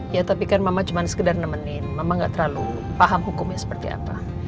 ya tapi kan mama cuma sekedar nemenin mama gak terlalu paham hukumnya seperti apa